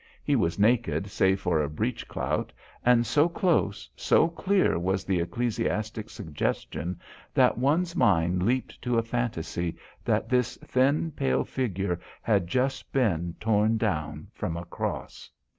He was naked save for a breech clout and so close, so clear was the ecclesiastic suggestion, that one's mind leaped to a phantasy that this thin, pale figure had just been torn down from a cross.